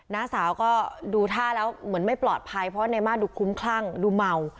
น้าสาวก็ดูท่าแล้วเหมือนไม่ปลอดภัยเพราะว่าในมาตรดูคุ้มคลั่งดูเมา